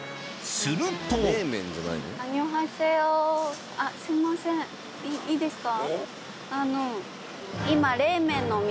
するとすいませんいいですか？